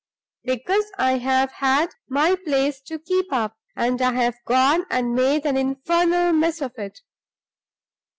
Because I have had my place to keep up, and I've gone and made an infernal mess of it!